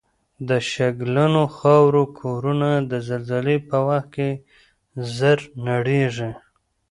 د شګلنو خاورو کورنه د زلزلې په وخت زر نړیږي